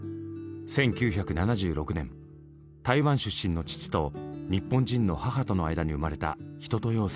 １９７６年台湾出身の父と日本人の母との間に生まれた一青窈さん。